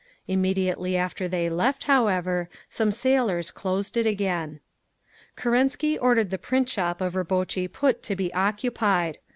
Immediately after they left, however, some sailors closed it again. Kerensky ordered the print shop of Rabotchi Put to be occupied.